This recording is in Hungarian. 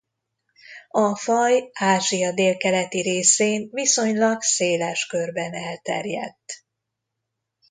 A faj Ázsia délkeleti részén viszonylag széles körben elterjedt.